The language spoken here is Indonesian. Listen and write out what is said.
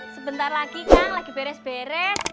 sebentar lagi kang lagi beres beres